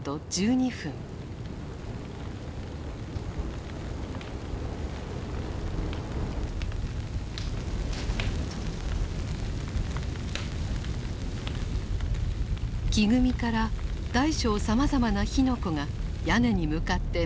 木組みから大小さまざまな火の粉が屋根に向かって舞い始めた。